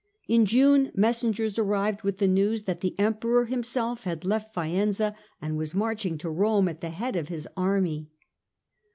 In June messengers arrived with the news that the Emperor himself had left Faenza and was marching to Rome at the head of his army.